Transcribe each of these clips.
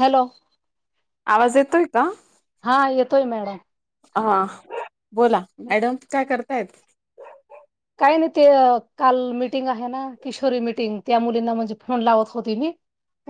Hello आवाज येतोय का? हा येतोय मॅडम हा बोला मॅडम काय करतायत काय नाही ते काल मिीटिंग आहे ना किशोरी मिीटिंग त्या मुलींना म्हणजे फोन लावत होती नाही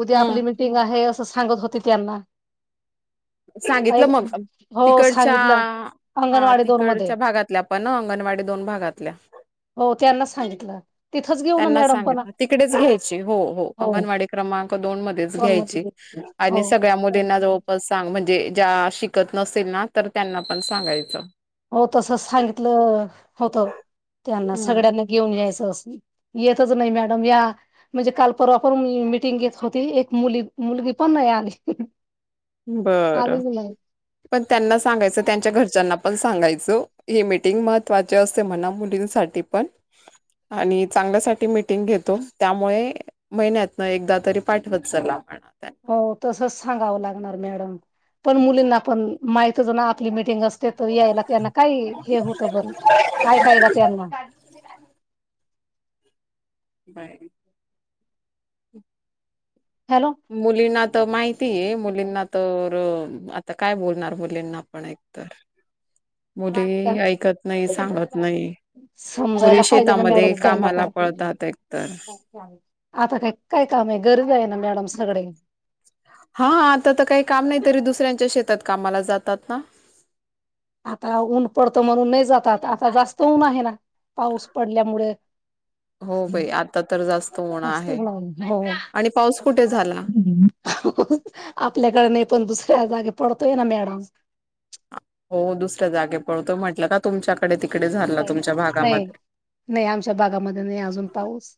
उद्या आपली मिीटिंग आहे सांगत होते त्यांना सांगितलं मग हो तिकडच्या सांगितलं हा अंगणवाडी दोन मध्ये तिकडच्या भागातले आपण अंगणवाडी दोन भागात हो त्यांना सांगितलं तिथंच घेऊ ना त्यांना मॅडम पण सांगित तिकडेच घ्यायची हो हो अंगणवाडी क्रमांक दोन मध्येच दोन घ्यायची मध्ये हो आणि सगळ्या मुलींना जवळपास म्हणजे ज्या शिकत नसेल ना तर त्यांना पण सांगायचं हो तस सांगितलं होत त्यांना सगळ्यांना हम्म घेऊन यायचं असून येतच नाही मॅडम या म्हणजे काल परवा पण मीटिंग घेत होती एक मुली मुलगी पण नाही आली बरं आलीच नाही पण त्यांना सांगायचं त्यांच्या हो घरच्यांना पण सांगायचं सो हे मीटिंग महत्त्वाचे असते म्हणा मुलींसाठी पण आणि चांगल्यासाठी मिीटिंग घेतो त्यामुळे महिन्यातन एकदा तरी पाठवत चल आपणा हो तसच सांगावं लागल मॅडम पण मुलींना आपण माहित ज ना आपली मिटिंग अस ते त यायला त्यांना काय हे होतं बर कायऐकायला त्यांना ते बाय हॅलो. मुलीनाथ त माहि मुलीनाथवर आता काय बोलणार मुलेंना आपण एकतर सांगत नाही. समजायला मुली पाहिजे ना शेतामध्ये मॅडम त्यांना कामाला पळतात एकतर पण आता काय काय काम आहे गरज आहे ना मॅडम सगळे हा आता तर काही काम नाही तरी दुसऱ्यांच्या शेतात कामाला जातात ना आता ऊन पडतं म्हणून नाही जातात आता जास्त ऊन आहे ना पाऊस पडल्यामुळे हो बाई आता तर जास्त ऊन स्ते आहे हो आणि पाऊस कुठे झाला? आपल्याकडे नाही पण दुसऱ्या जागे पढत न म्याड हो दुसऱ्या जागे पडतो, म्हटलं का तुमच्याकडे ते नाही-नाही आमच्या बागामध्ये नाही अजून पाऊस.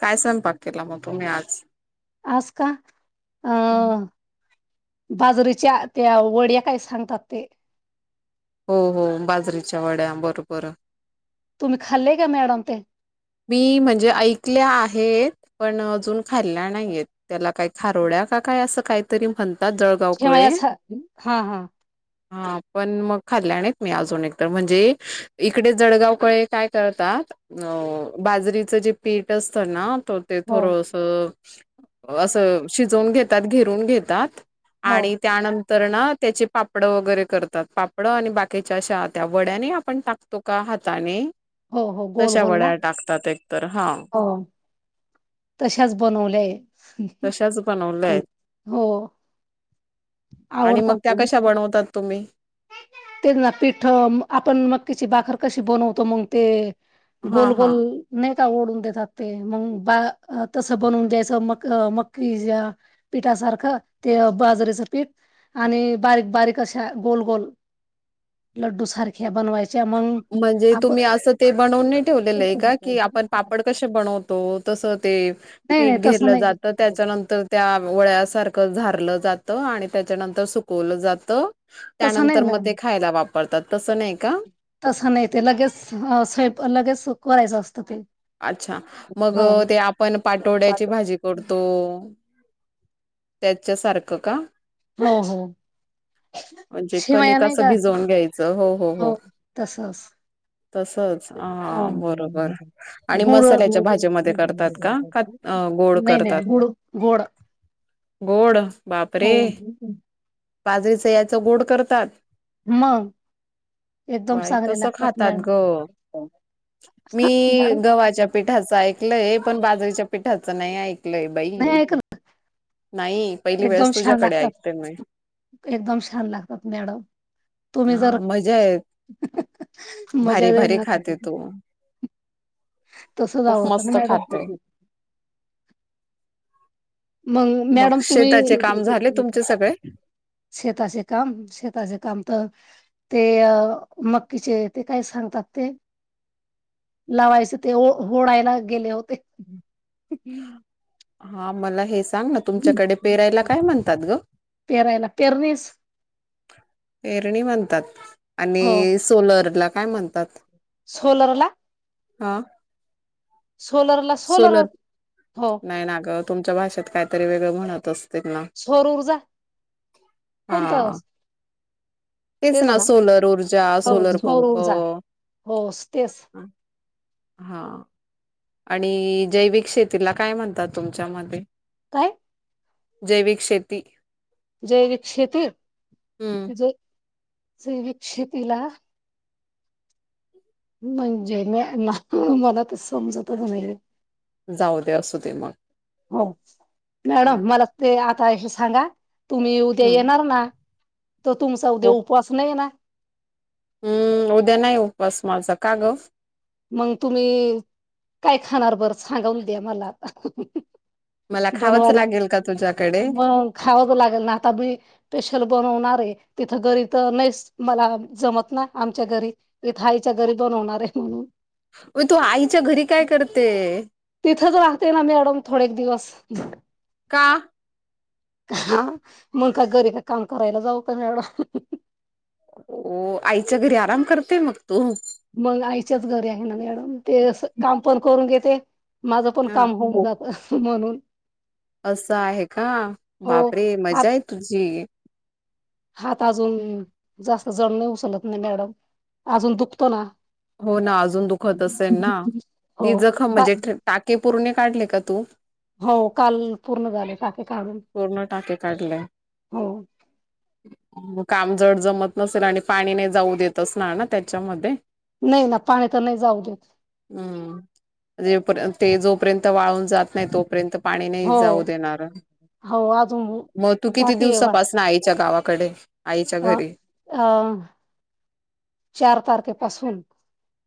काय स्वयंपाक केला मग तुम्ही आज. आजका अ! हो बाजरीच्या त्या वड्या काय सांगतात ते हो-हो बाजरीच्या वड्या बरोबर, तुम्ही खाल्ले का मॅडम ते, मी म्हणजे ऐकल्या आहेत पण अजून खाल्ल्या नाहीयेत त्याला काय खारोड्या का काय असं काहीतरी म्हणत शेवयाच हा! हा! हा पण मग खाल्ल्याने मी अजून एकत म्हणजे इकडे जळगावकळे काय करतात. अ, बाजरीचं जे पीठ असतं ना, ते हो थोडं अस शिजून घेतात. घेरून घेत त्याात हो आणि त्यानंतर तर ना त्याचे पापडं वगैरे करतात, पापडं आणि बाकीच्या अशा हात्या वड्याने आपण टाकतो का हाताने. हो! हो! गोल-गोल ना. ताते, तर हां! हो तशाच बनवल्याय तशाच बनवल्याय हो. आणि आवडतात मग त्या खूप कशा बनवतात तुम्ही. ते ना पिठ आपण मकीची बाखर कशी बनवतो मग ते हा हा गोल-गोल नाही. ओढून देतात ते मग बा तस बनवून द्यायच म मकी पीठासारखं, ते बाजरेचं पीठ आणि बारीक-बारीक अशा. गोल-गोल लड्डू सारख्या बनवायच. म्हणजे तुम्ही असं ते बनवून नाही ठेवलेलं आहे का? की आपण पापड कसे बनवतो. तसं, ते नाही पीठ नाही तसं घेरलं नाही जात त्याच्यानंतर त्या वळ्यासारख. झाारलं जातं आणि त्याच्यानंतर सुकवलं जातं. तसं नाही त्यानंतर ना मग ते खायला वापर. करतात तसं नाही का? तं नाही, ते लगेच सुकवायचं लगेच करायचं असतं ते. अच्छा मग हो ते आपण पाटोड्याची भाजी करतो. त्याच्या सारखं का.? हो हो म्हणजे शेवया नाही कणिकस का भिजवून घ्यायचं, हो हो हो तसच हा बरोबर. आणि गुळ मसाल्याच्या भाजीमध्ये करतात का? का अ, गोड नाही करतात? नाही गुळ गोड. गोड. बापरे. हो बाजरीच याचं गोड करतात. मग एकदम बाय चांगले कसं लागतात, खातात मॅम ग मी गव्हाच्या पीठाचं ऐकलं हे पण बाजरीच्या पीठाचं नाही. बाई नाही ऐकलं नाही पहिली एकदम वेळेस छान तुझ्याकडे लागतात, ऐकते मी एकदम छान लागतात मॅडम तुम्ही हा जर मजा आहे मजा भारी भारी येणार खाते तू तस खूप आवडत ना मस्त मॅडम तु खाते मग मॅडम शेताचे तुम्ही, काम झाले तुमचे सगळे शेताचे काम शेताचे काम तर ते मक्कीचे ते काय सांगतात ते लावायचे ते होडायला गेले होते. हा मला हेच. ना तुमच्याकडे पेरायला काय म्हणतात ग? पेरायला पेरणीस पेरणी म्हणतात हो आणि सोलर काय म्हणतात? सोलरला. हा. सोलर ला सोलर हो नाही ना ग तुमच्या भाषेत काहीतरी वेगळं म्हणतं असती सौरऊर्जा कोण हा तसं? तेच ना सोलर ऊर्जा, हो सोलर सौर पंप ऊर्जा हो तेच हा आणि जैविक शेतीला काय म्हणतात तुमच्या मध्ये? काय? जैविक शेती. जैविक शेती हम्म जे विक शेतीला म्हणजे मँम मला ते समजतच नाही ओ. जाऊ दे असू दे मग. हो. मॅडम मला ते आ कायही सांगा. तुम्ही उद्या हम्म येणार ना? तो तुमचा उद्या हो उपवास नाही ना? हम्म उद्या नाही उपवास माझा का गं मग तुम्ही काय खाणार बर सांगा उद्या मला आता मला खावंच बनवायला लागेल का तुझ्याकडे मग खावाच लागलं ना आता मी स्पेशल बनवणार आहे तिथं घरी तर नाहीच मला जमत, ना आमच्या घरी इथे आईच्या घरी बनवणार आहे म्हणून म तू आईच्या घरी काय करते अ का हा मग का घरी का काम करायला जाऊ का मँडम हो आईच्या घरी आराम करतेय मग तू मग आईच्याच घरी आहे ना, मॅडम ते असं काम पण करून घेते माझं पण ह काम होऊन जात हं म्हणून असं आहे का हो बापरे हात मज्जा आहे तुझी हात अजून जास्त जड नाही उचलत नाही मी मॅडम अजून दुखतो ना हो ना अजून दुखत असेल, ना हो ती जखम का म्हणजे टाके पुरण काढले का तू हो काल पूर्ण झाले टाके काढून पूर्ण टाके काढलेय. हो काम जड जमत नसेल आणि पाणी नाही जाऊ देत असणार ना त्याच्यामध्ये नाही ना पाणी तर नाही जाऊ देत. हम्म. जेपर्यंत ते जोपर्यंत वाळून जात नाही तोपर्यंत पाणी नाही हो जाऊ देणार हो अजून मग तू किती बाकी आहे बा दिवसापासन आईच्या गावा कडे. अ अ चार तारखे. असून.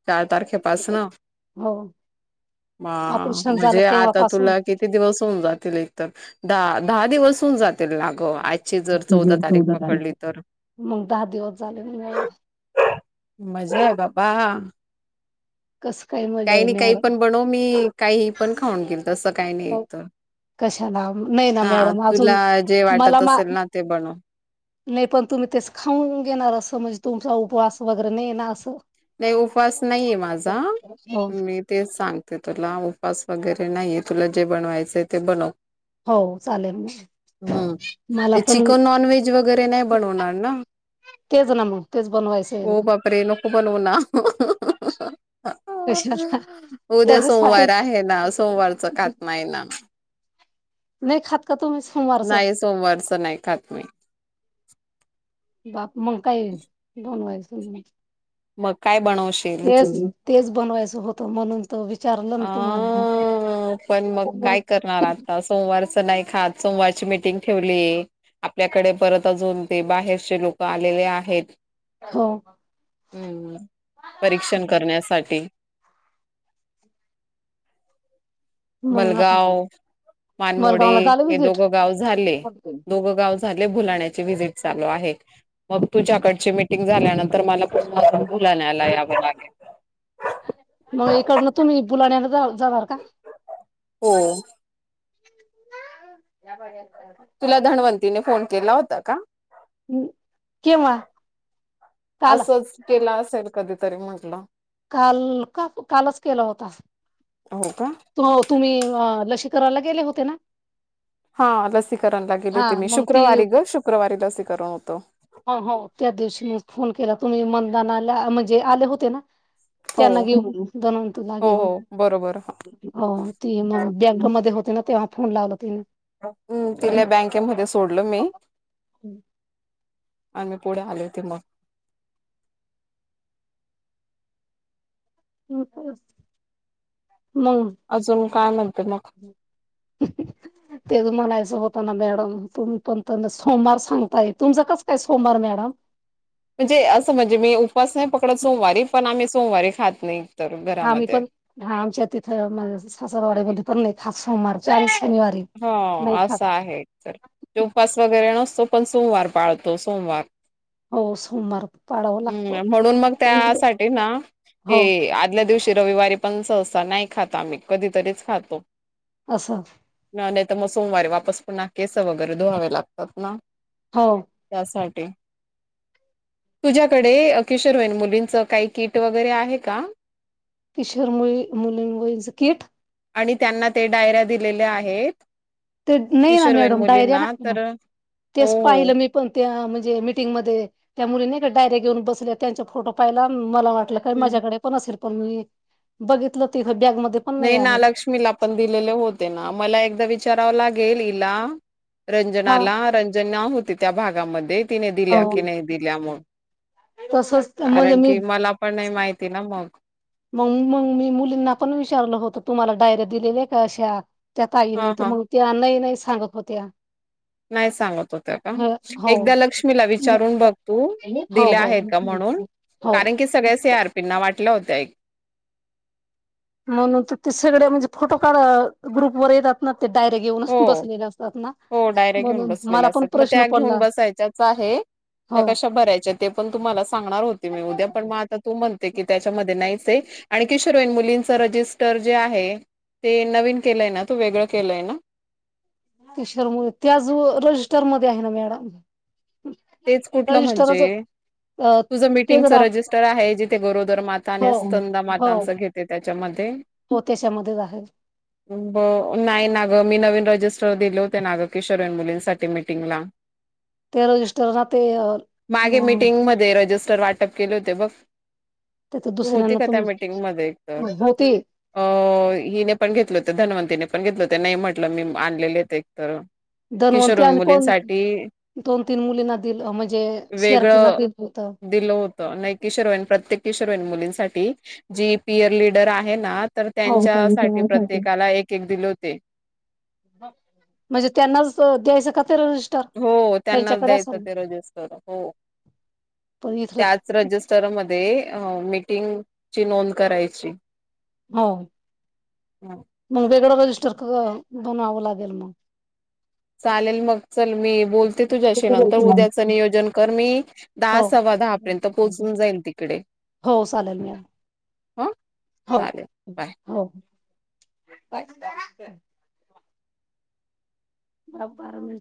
चार तारखेपासन ऑपरेशन झालं म्हणजे आता तेव्हापासून तुला किती दिवस होऊन जातील एकतर दहा दहा दिवस जात. लागतील ना गं आजची जर चौदा तारीख पकडली तर मग दहा दिवस झाले मग मजा आहे बा. बा. कसं मजा काही आहे नाही काही मॅडम पण बनव मी काही पन खाऊन घेईल. तसं काही नाही तर कशाला नाही ना हा मॅडम तुला अजून जे मला वाटत मा असेल ना ते बनव नाही पण तुम्ही तेच खाऊन घेणार असं म्हणजे तुमचा उपवास. भगर नई ना ना असू. नाही उपास नाहीय माझा हो मी तेच सांगते तुला उपास वगैरे नाही आहे तुला जे बनवायचं आहे ते बनव. हो चालेल मग हम्म मला ते पण चिकन नॉन व्हेज वगैरे नाही बनवणार ना तेच ना मग तेच बनवायचं आहे हो ना. बापरे नको ना कशाला उद्या त्याच्यासाठी सोमवार आहे ना सोमवारच खात नाही ना. नाही खात. का तुम्ही सोमवारचं नाही सोमवारचं नाही खात मी. [inaudible] बाप मग काय बनवायचं? बनवायचं मग काय बनवशील? तेच तेच बनवायचं होतं म्हणून तर विचारलं ना अ तुम्हाला पण मग काय करणार आता सोमवारचं नाही खात सोमवारची मिटिंग ठेवली य आपल्याकडे परत अजून ते बाहेरचे लोक आलेले आहेत. हो हम्म परीक्षण करण्यासाठी. [unintelligible] हम. मग आता मलगाव मानमोडे मलगावला झालं हे विजिट दोघं गाव झाले दोघं गाव भुलाण्याचे वजिट चालू आहे. मग तुझ्याकडची मिटिंग झाल्यानंतर मला पुन्हा बुलायला यावं लागेल मग इकडन तुम्ही बुलाण्याला जावा जाणार का हो या तुला धनवंतीने फोन केला होता का हम् असंच केला असेल कधीतरी मग तुला काल का कालच केला होता हो का तो तुम्ही हं लशी करायला गेले होते ना हा लसीकरणला हा गेलेते, मी मग ती शुक्रवारी गं शुक्रवारी लसीकरण होतं हो हो त्या दिवशीच फोन केला, तुम्ही मदाना आल्या म्हणजे आले होते ना हो, त्यांना घेऊन दोन तुला हो, घेऊन हो, बरोबर. मग बँकमध्ये होते ना तेव्हा फोन लावला तिने हम् तिला बँकेमध्ये सोडलो मी आणि मी पुढे आले होते मग हो तेच अजून काल तेच मला होता ना मॅडम तुम्ही पण सोमवार सांगताय तुमचं कसं काय सोमवार मॅडम म्हणजे असं म्हणजे मी उपास नाही पकडत सोमवारी पण आम्ही सोमवारी खात नाही तर आम्ही घरामध्ये. पण हा आमच्या तिथं सासरवाड्या मध्ये मी पण नाही खात सोमवारच शनिवारी हो नाही असं आहे तर उपास वगैरे नसतो तो पण सोमवार पाळतो सोमवार हो सोमवार पाळावा लागतो हम् म्हणून मग त्यासाठी ना मी हो आदल्या दिवशी रविवारी पण सहसा नाही खाता आम्ही कधीतरीच खातो असं नाहीतर मग सोमवारी वापस पुन्हा केस वगैरे धुवावे लागतात ना हो त्यासाठी तुझ्याकडे किशोरवयन मुलींच काही किट वगैरे आहे का किशीर मुलून वय झ किठ आणि त्यांना ते डायऱ्या दिलेल्या आहेत आहेत ते नाही ना मॅडम डायर्या लागते ना तर हो तेच हो पाहिलं मी पण त्या म्ह जे मिटींगमध्ये त्या मुलीनाही का डायर्या घेऊन बसल्या त्यांचे फोटो पाहीले मला वाटलं का हम्म माझ्याकडे पण असेल पण मी बघितलं तिथ नाही ना लक्ष्मीला पण दिलेले होते ना मला एकदा विचारावं लागेल गेलला हा रंजनाला रंजना होती त्या भागामध्ये तिने हो दिल्या की नाही दिल्या मग तसच म्हणजे कारण मी की मला पण नाही माहिती ना मग मग मग मी मुलींना पण विचारलं विचारललं होत तुम्हाला डायऱ्या दिलेल्या का अशा त्या ताईंनी हा तर हा मग त्या नाही नाही सांगत होत्या नाही सांगत होत का हो एकदा हो लक्ष्मीला विचार चारूण बघ तू दिले हो आहेत का म्हणून हो कारण की सगळ्या सी आर पीनां वाटलं होत आहे म्हणून ते सगळे म्हणजे फोटो काढ ग्रुपवर येतात ना ते डायरेक्ट येऊनच हो बसलेले असतात ना हो डायरेक्ट घेऊन म्हणून बसलेले मला पण असतात, मग प्रश्न त्या घेऊन हो पडला डायरेक्ट येऊनच बसले असतात मग त्या घेऊन बसायच्याच आहे त्या हो कशा भरायच्या ते पण तुम्हाला सांगणार होते मी उद्या पण मग आता तू म्हणते की त्याच्यामध्ये नाही आण किशोरवय मुलींच रजिस्टर जे आहे ते नवीन केलंय ना त वेगळं केलंय ना किशोरवय ते अजून रजिस्टरमध्ये आहे ना मॅडम तेच कुठलं रजिस्टरच म्हणजे तुझं ते मिटिंगच जरा रजिस्टर आहे, जिथे गरोदर माता, हो स्तनंद हो माता घेते त्यांच्यामध्ये हो त्याच्यामध्येच आहे नाही ना गं मी नवीन रजिस्टर दिले होते ना गं किशोरी मुलींसाठी मिटिंगला ते रजिस्टर ना ते हम तर वाटप केले होते बघ त्याच तु होती दुसऱ्यांना का त्या तुम्ही मीटिंग एक तर होती अ हिने पण घेतलं होतं धनवंतीने पण घेतलं ते नाही म्हटलं मी आणलेले एकतर धन्वंतरी किशोरवयीन आणि कोण मुलींसाठी दोन तीन मुलींना दिलं म्हणजे शेरकीना वेगळं दिलं होत कोशोरवयीन मुलींसाठी जी पीयर लिडर आहे ना तर हो त्यांच्यासाठी प्रत्येकाला एक एक दिले होते. म्हणजे त्यांनाच द्यायचं का तर हो त्यांनाच द्यायचं ते रजिस्टर हो पण इथलं त्याच रजिस्टरमध्ये हे मीटिंगची नोंद करायची हो बनवं लागेल मग चालेल मग चल मी बोलते तुझ्याशी नंतर, उद्याचं नियोजन कर मी दहा हो सव्वा दहा पर्यंत पोहोचून जाईल तिकडे, हो चालेल मॅम हा? हो हो. काय बा बार म्हणजे